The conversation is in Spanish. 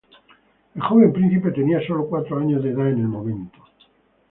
El joven príncipe tenía sólo cuatro años de edad en el momento.